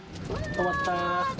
止まったー。